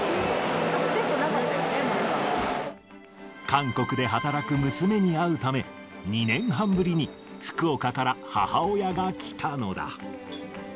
韓国で働く娘に会うため、２年半ぶりに福岡から母親が来たのだ。